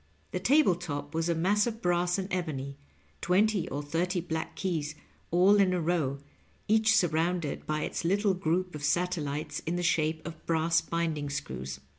The table top was a mass of brass and ebony — ^twenty or thirty black keys all in a row, each surrounded by its little group of satellites in the shape of brass binding screws.